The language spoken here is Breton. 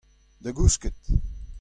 Da gousket !